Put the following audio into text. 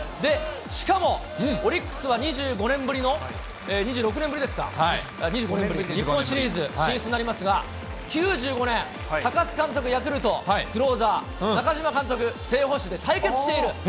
しかもオリックスは２５年ぶりの、２６年ぶりですか、２５年ぶり？日本シリーズ進出になりますが、９５年、高津監督、ヤクルト、クローザー、中嶋監督、正捕手で対決している。